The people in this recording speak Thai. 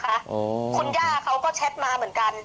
คุณย่าเขาก็แชทมาเหมือนกัน